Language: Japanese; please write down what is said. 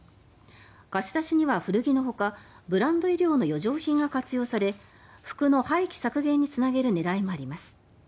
貸し出しには古着のほかブランド衣料の余剰品が活用され服の廃棄削減につなげる狙いもあります。